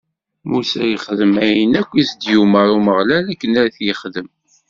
Musa yexdem ayen akk i s-d-yumeṛ Umeɣlal, akken i yexdem.